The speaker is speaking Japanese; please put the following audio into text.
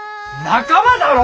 仲間だろ！